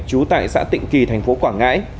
trú tại xã tịnh kỳ thành phố quảng ngãi